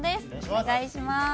お願いします。